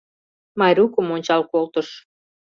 Майрукым ончал колтыш.